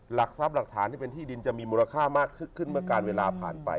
หลักทรัพย์หลักฐานที่เป็นที่ดินจะมีมูลค่ามากขึ้นเมื่อการเวลาผ่านไป